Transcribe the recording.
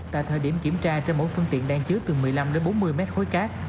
tại thời điểm kiểm tra trên mỗi phương tiện đang chứa từ một mươi năm đến bốn mươi mét khối cát